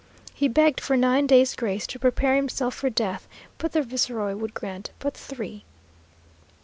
He begged for nine days' grace to prepare himself for death, but the viceroy would grant but three.